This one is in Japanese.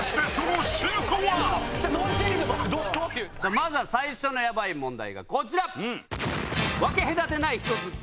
まずは最初のヤバい問題がこちら！